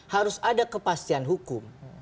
kalau ada kepatian hukum